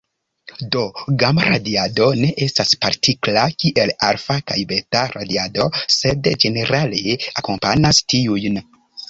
Do, gama-radiado ne estas partikla kiel alfa- kaj beta-radiado, sed ĝenerale akompanas tiujn.